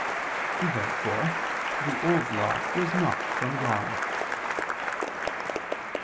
Therefore the Old Law was not from God.